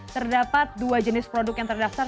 terdapat dua jenis produk yang terdaftar